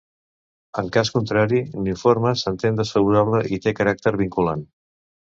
En cas contrari, l'informe s'entén desfavorable i té caràcter vinculant.